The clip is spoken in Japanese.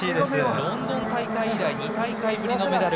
ロンドン大会以来２大会ぶりのメダル。